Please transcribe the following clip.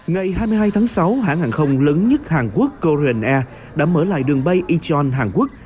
ngày hai mươi hai tháng sáu hãng hàng không lớn nhất hàn quốc coreen air đã mở lại đường bay ichon hàn quốc